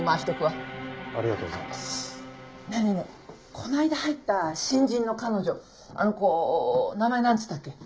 この間入った新人の彼女あの子名前なんつったっけ？